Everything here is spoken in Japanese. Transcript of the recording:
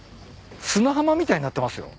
砂浜みたいになってますよ。